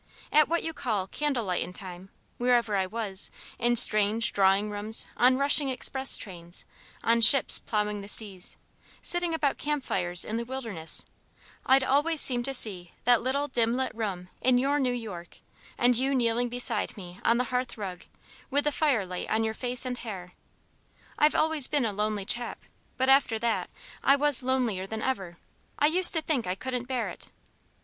At what you called 'candle lightin' time,' wherever I was in strange drawing rooms, on rushing express trains, on ships plowing the seas, sitting about camp fires in the wilderness I'd always seem to see that little, dim lit room in your New York, and you kneeling beside me on the hearth rug, with the firelight on your face and hair. I've always been a lonely chap; but after that I was lonelier than ever; I used to think I couldn't bear it.